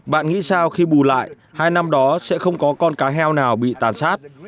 bạn nghĩ sao khi bù lại hai năm đó sẽ không có con cá heo nào bị tàn sát